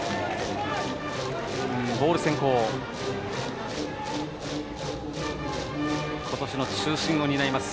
ボール先行です。